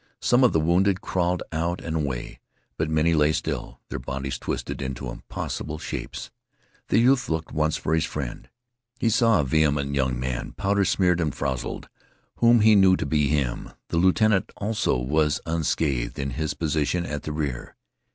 Some of the wounded crawled out and away, but many lay still, their bodies twisted into impossible shapes. The youth looked once for his friend. He saw a vehement young man, powder smeared and frowzled, whom he knew to be him. The lieutenant, also, was unscathed in his position at the rear.